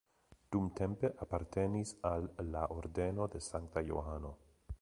Dumtempe apartenis al la Ordeno de Sankta Johano.